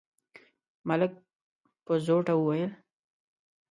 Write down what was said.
ملک په زوټه وويل: